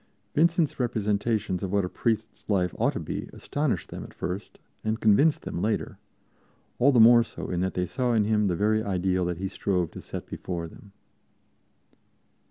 Vincent's representations of what a priest's life ought to be astonished them at first and convinced them later all the more so in that they saw in him the very ideal that he strove to set before them.